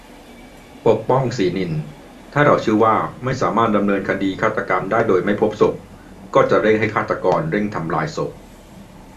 ปกป้อง ศรีสนิท : ถ้าเราเชื่อว่าไม่สามารถดำเนินคดีฆาตกรรมได้โดยไม่พบศพ ก็จะเร่งให้ฆาตกรเร่งทำลายศพ